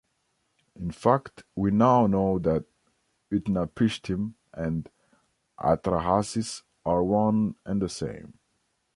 In fact, we now know that Utnapishtim and Atrahasis are one and the same.